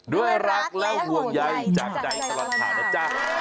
ด้วยรักและห่วงใยจากใจตลอดข่าวนะจ๊ะ